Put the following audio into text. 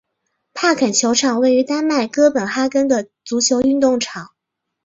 帕肯球场位于丹麦哥本哈根的足球运动场。